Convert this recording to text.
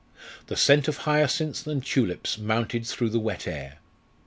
The scent of hyacinths and tulips mounted through the wet air.